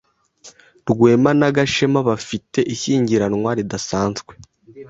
Rwema na Gashema bafite ishyingiranwa ridasanzwe.